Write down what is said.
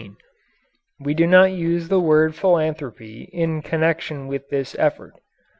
We do not use the word philanthropy in connection with this effort.